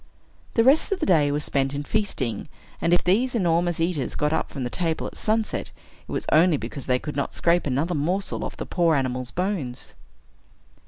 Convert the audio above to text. The rest of the day was spent in feasting; and if these enormous eaters got up from table at sunset, it was only because they could not scrape another morsel off the poor animal's bones.